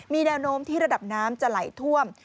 มีแนวโน้มที่ระดับน้ำจะไหลท่วม